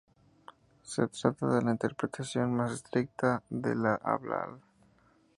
Se trata de la interpretación más estricta de la halal.